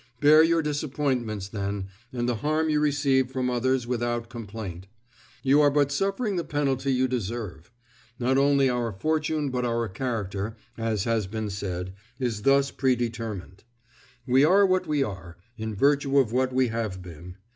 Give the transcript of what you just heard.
Bear your disappointments, then, and the harm you receive from others without complaint; you are but suffering the penalty you deserve. Not only our fortune but our character, as has been said, is thus predetermined; we are what we are, in virtue of what we have been.